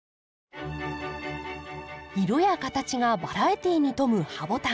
色や形がバラエティーに富むハボタン。